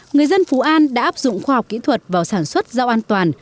người dân phú an đã áp dụng khoa học kỹ thuật vào sản xuất rau an toàn